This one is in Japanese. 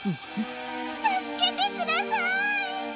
たすけてください！